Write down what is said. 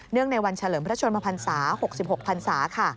เนื่องในวันเฉลิมพระทชนมพันศา๖๖พันศา